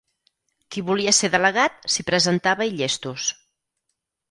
Qui volia ser delegat, s'hi presentava i llestos.